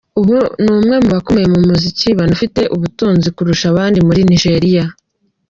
Ubu ni umwe mu bakomeye mu muziki banafite ubutunzi kurusha abandi muri Nigeria.